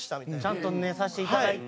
ちゃんと寝させていただいて。